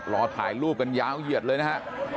รอถ่ายรูปกันยาวเหยียดเลยนะฮะ